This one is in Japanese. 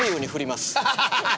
ハハハ！